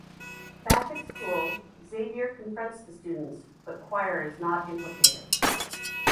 Back at school, Xavier confronts the students, but Quire is not implicated.